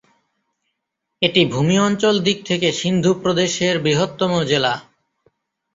এটি ভূমি অঞ্চল দিক থেকে সিন্ধু প্রদেশের বৃহত্তম জেলা।